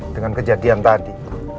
dengan kejadian tadi